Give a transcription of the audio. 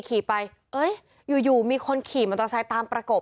ขี่ไปเอ้ยอยู่มีคนขี่มอเตอร์ไซค์ตามประกบ